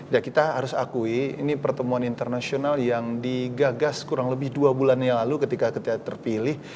ya kita harus akui ini pertemuan internasional yang digagas kurang lebih dua bulan yang lalu ketika kita terpilih